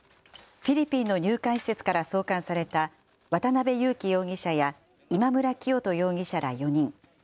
フィリピンの入管施設から送還された渡邉優樹容疑者や今村磨人容疑者ら４人。